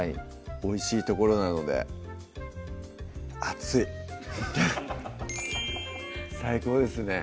おいしいところなので熱い最高ですね